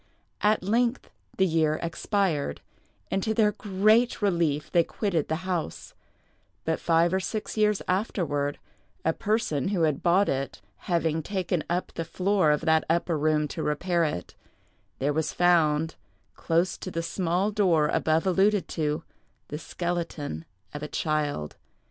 At length the year expired; and to their great relief they quitted the house; but five or six years afterward, a person who had bought it having taken up the floor of that upper room to repair it, there was found, close to the small door above alluded to, the skeleton of a child.